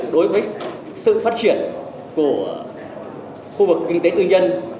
đối với sự phát triển của khu vực kinh tế tư nhân